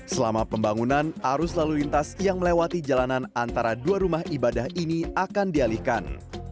selama pembangunan arus lalu lintas yang melewati jalanan antara dua rumah ibadah ini akan dialihkan